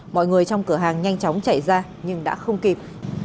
mọi người trong cửa hàng nhanh chóng chạy ra nhưng đã không kịp